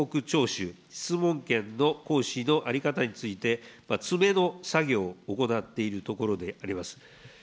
しゅ質問権の行使の在り方について詰めの作業を行っているところであります。